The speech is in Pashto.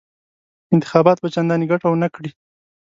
انتخابات به چنداني ګټه ونه کړي.